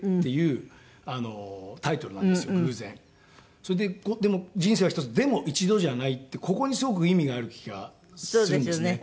それででも『人生はひとつでも一度じゃない』ってここにすごく意味がある気がするんですね。